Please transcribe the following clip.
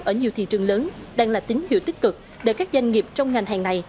ở nhiều thị trường lớn đang là tín hiệu tích cực để các doanh nghiệp trong ngành hàng này